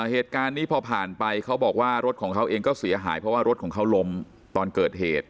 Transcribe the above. เหตุการณ์นี้พอผ่านไปเขาบอกว่ารถของเขาเองก็เสียหายเพราะว่ารถของเขาล้มตอนเกิดเหตุ